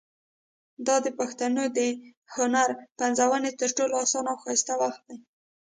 دا د پښتنو د هنر پنځونې تر ټولو اسانه او ښایسته وخت دی.